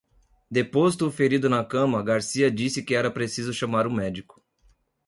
Deposto o ferido na cama, Garcia disse que era preciso chamar um médico.